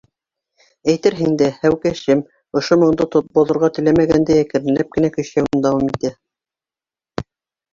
Әйтерһең дә, һәүкәшем, ошо моңдо боҙорға теләмәгәндәй, әкренләп кенә көйшәүен дауам итә.